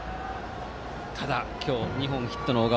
ただ、今日２本ヒットの小川。